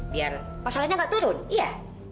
biar pasalnya gak turun iya